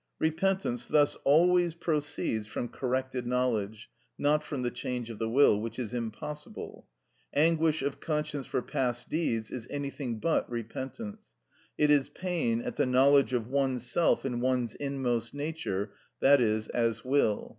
Repentance thus always proceeds from corrected knowledge, not from the change of the will, which is impossible. Anguish of conscience for past deeds is anything but repentance. It is pain at the knowledge of oneself in one's inmost nature, i.e., as will.